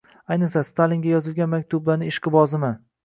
Ayniqsa, Stalinga yozilgan maktublarning ishqiboziman.